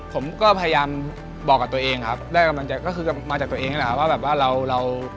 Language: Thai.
ผมก็พยายามบอกกับตัวเองครับแรกมันก็คือมาจากตัวเองนี่แหละครับ